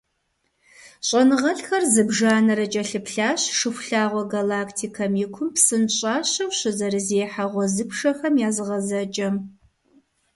ЩIэныгъэлIхэр зыбжанэрэ кIэлъыплъащ Шыхулъагъуэ галактикэм и кум псынщIащэу щызэрызехьэ гъуэзыпшэхэм я зыгъэзэкIэм.